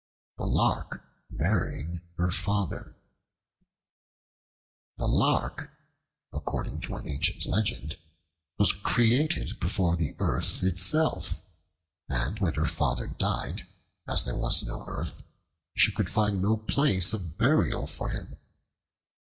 The Lark Burying Her Father THE LARK (according to an ancient legend) was created before the earth itself, and when her father died, as there was no earth, she could find no place of burial for him.